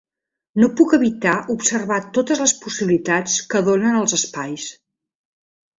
No puc evitar observar totes les possibilitats que donen els espais.